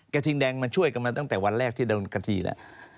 กระทิงแดงมันช่วยกันมาตั้งแต่วันแรกที่เดินกะทิละ